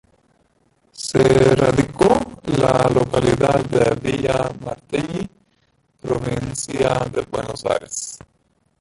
Se radicó la localidad de Villa Martelli, provincia de Buenos Aires.